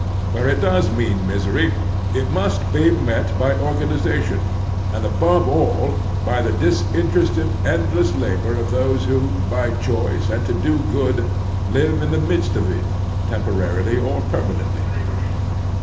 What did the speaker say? Where it does mean misery it mtist be met by organization, and, above all, by the disinterested, endless labor of those who, by choice, and to do good, live in the midst of it, temporarily or perma nently.